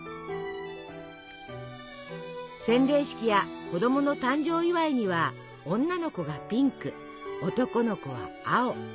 洗礼式や子供の誕生祝いには女の子がピンク男の子は青。